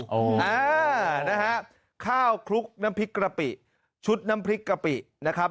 อ่านะฮะข้าวคลุกน้ำพริกกะปิชุดน้ำพริกกะปินะครับ